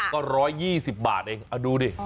ก็๑๒๐บาทเองดูดิ